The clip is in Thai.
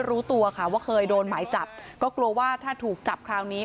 รู้ตัวค่ะว่าเคยโดนหมายจับก็กลัวว่าถ้าถูกจับคราวนี้